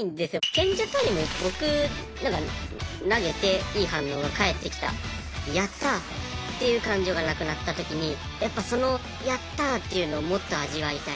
賢者タイム僕投げていい反応が返ってきたやったっていう感情がなくなった時にやっぱそのやったっていうのをもっと味わいたい。